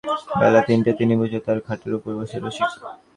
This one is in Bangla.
বেলা তিনটে– তিনি বুঝি তাঁর খাটের উপর বসে– রসিক।